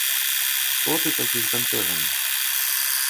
Што ты такі збянтэжаны?